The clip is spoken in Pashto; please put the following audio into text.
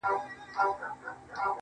د ګیلاس لوري د شراب او د مینا لوري.